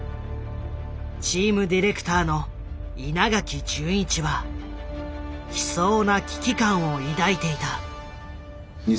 チームディレクターの稲垣純一は悲壮な危機感を抱いていた。